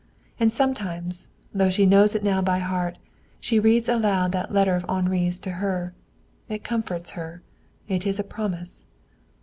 And sometimes, though she knows it now by heart, she reads aloud that letter of Henri's to her. It comforts her. It is a promise.